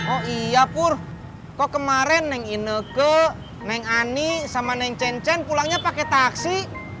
oh iya purh kok kemaren neng ineke neng ani sama neng cen cen pulangnya pake taksi